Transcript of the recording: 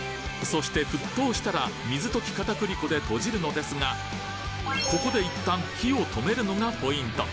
そして沸騰したら水溶き片栗粉でとじるのですがここで一旦火を止めるのがポイント